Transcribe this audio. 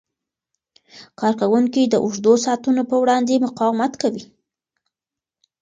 کارکوونکي د اوږدو ساعتونو په وړاندې مقاومت کوي.